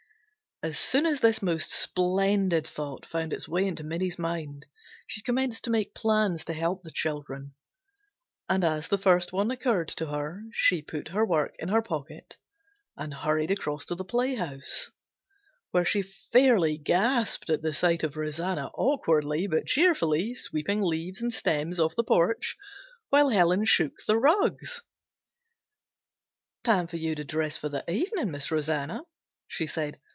As soon as this most splendid thought found its way into Minnie's mind she commenced to make plans to help the children, and as the first one occurred to her she put her work in her pocket and hurried across to the playhouse, where she fairly gasped at the sight of Rosanna awkwardly but cheerfully sweeping leaves and stems off the porch while Helen shook the rugs. "Time for you to dress for the evening. Miss Rosanna," she said.